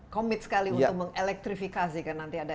komit sekali untuk mengelektrifikasi kan nanti ada